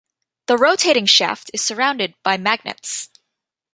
The rotating shaft is surrounded by magnets.